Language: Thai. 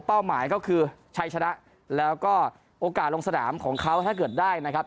หมายก็คือชัยชนะแล้วก็โอกาสลงสนามของเขาถ้าเกิดได้นะครับ